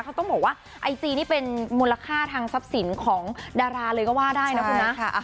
เขาต้องบอกว่าไอจีนี่เป็นมูลค่าทางทรัพย์สินของดาราเลยก็ว่าได้นะคุณนะ